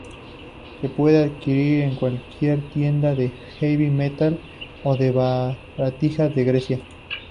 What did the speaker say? Se puede adquirir en cualquier tienda de "heavy metal" o de baratijas de Grecia.